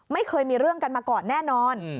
ไม่เคยมีเรื่องกันมาก่อนแน่นอน